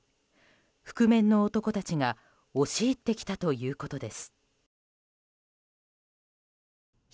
覆面の男たちが押し入ってきたということです。